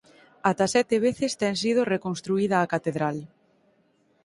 Ata sete veces ten sido reconstruída a catedral.